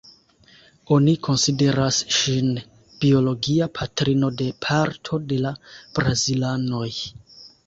Oni konsideras ŝin biologia patrino de parto de la brazilanoj.